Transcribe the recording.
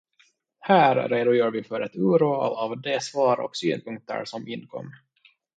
Här redogör vi för ett urval av de svar och synpunkter som inkom.